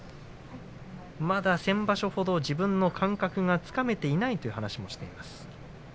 まだ先場所ほど自分の感覚がつかめていないと話しています。